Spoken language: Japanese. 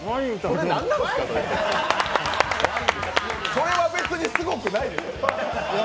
これは別にすごくないです。